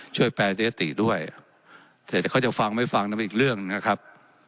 ช่วยแปลเรตติด้วยเดี๋ยวเขาจะฟังไม่ฟังนั่นเป็นอีกเรื่องนะครับ